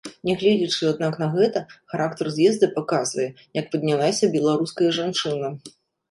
Нягледзячы аднак на гэта, характар з'езда паказвае, як паднялася беларуская жанчына.